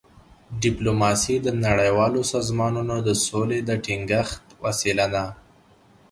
ډيپلوماسي د نړیوالو سازمانونو د سولي د ټینګښت وسیله ده.